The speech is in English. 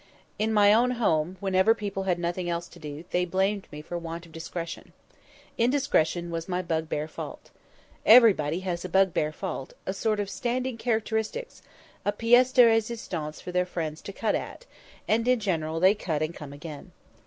In my own home, whenever people had nothing else to do, they blamed me for want of discretion. Indiscretion was my bug bear fault. Everybody has a bug bear fault, a sort of standing characteristic—a pièce de résistance for their friends to cut at; and in general they cut and come again.